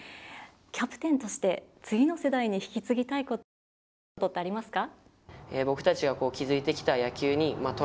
キャプテンとして次の世代に引き継ぎたいこと、託したいことってありますか。